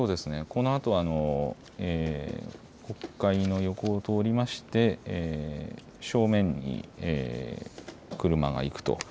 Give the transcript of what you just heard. このあと国会の横を通りまして正面に車が行くと。